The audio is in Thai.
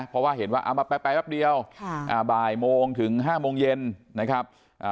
เพราะว่าเห็นว่าไปแป๊บเดียวบ่ายโมงถึง๕โมงเย็นนะครับ